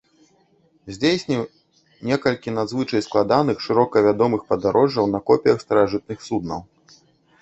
Здзейсніў некалькі надзвычай складаных шырока вядомых падарожжаў на копіях старажытных суднаў.